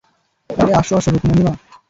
আরে, আসো আসো রুকমনি মা।